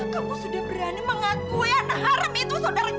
kamu sudah berani mengakui anaharam itu saudaraku mer